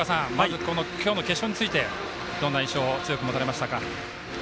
今日の決勝についてどんな印象を強く持たれましたか。